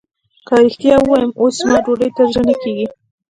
که رښتيا ووايم اوس زما ډوډۍ ته زړه نه کېږي.